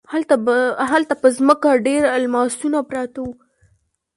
هلته په ځمکه ډیر الماسونه پراته وو.